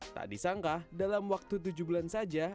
tak disangka dalam waktu tujuh bulan saja